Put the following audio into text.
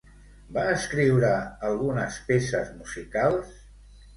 Va escriure algunes peces musicals?